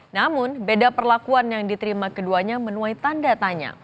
namun beda perlakuan yang diterima keduanya menuai tanda tanya